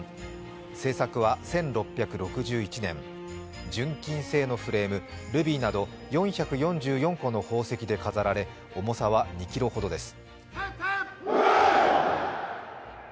制作は１６６１年、純金製のフレーム、ルビーなど４４４個の宝石で飾られ、重さは２ｋｇほどです。